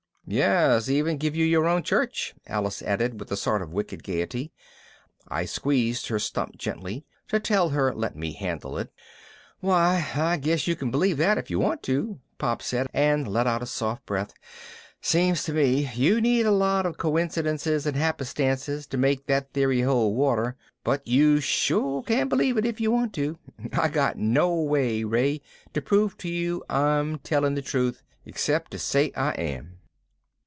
"Yes, even give you your own church," Alice added with a sort of wicked gaiety. I squeezed her stump gently to tell her let me handle it. "Why, I guess you can believe that if you want to," Pop said and let out a soft breath. "Seems to me you need a lot of coincidences and happenstances to make that theory hold water, but you sure can believe it if you want to. I got no way, Ray, to prove to you I'm telling the truth except to say I am."